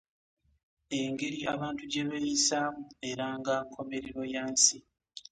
Engeri abantu gye beeyisaamu eranga nkomerero ya nsi.